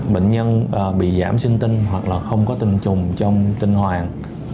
bệnh nhân bị giảm sinh tinh hoặc là không có tinh trùng trong tinh hoàng